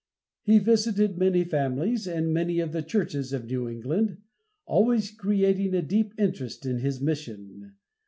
He visited many families, and many of the churches of New England, always creating a deep interest in his mission.